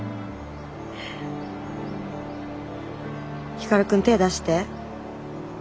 光くん手出して。